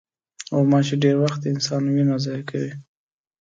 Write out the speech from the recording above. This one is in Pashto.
غوماشې ډېری وخت د انسان وینه ضایع کوي.